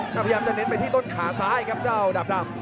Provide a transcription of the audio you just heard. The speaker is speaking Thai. ก็พยายามจะเน้นไปที่ต้นขาซ้ายครับเจ้าดาบดำ